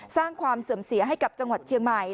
สร้างความเสื่อมเสียให้กับจังหวัดเชียงใหม่